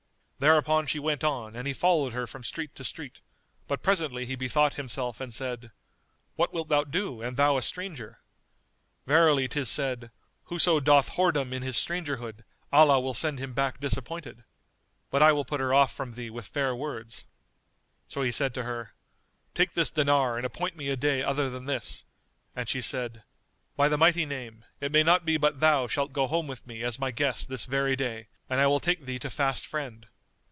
Thereupon she went on and he followed her from street to street, but presently he bethought himself and said, "What wilt thou do and thou a stranger? Verily 'tis said, 'Whoso doth whoredom in his strangerhood, Allah will send him back disappointed.' But I will put her off from thee with fair words." So he said to her, "Take this dinar and appoint me a day other than this;" and she said, "By the Mighty Name, it may not be but thou shalt go home with me as my guest this very day and I will take thee to fast friend."